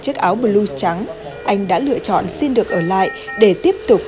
chiếc áo blue trắng anh đã lựa chọn xin được ở lại để tiếp tục